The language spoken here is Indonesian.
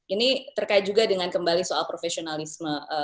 ini terkait juga dengan kembali soal profesionalisme